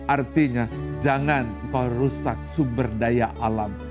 artinya jangan kau rusak sumber daya alam